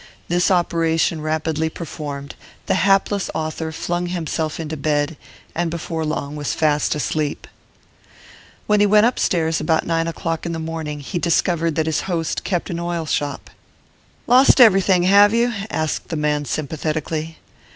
This operation rapidly performed, the hapless author flung himself into bed, and before long was fast asleep. When he went upstairs about nine o'clock in the morning he discovered that his host kept an oil shop. 'Lost everything, have you?' asked the man sympathetically.